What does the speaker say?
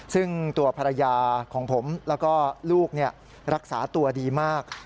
ซึ่งตัวภรรยาของผมแล้วก็ลูกรักษาตัวดีมาก